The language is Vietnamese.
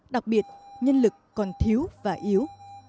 đặc biệt nhân lực còn thiếu và yếu